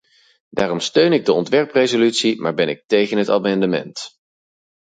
Daarom steun ik de ontwerpresolutie, maar ben ik tegen het amendement.